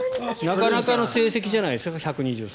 なかなかの成績じゃないですか１２３。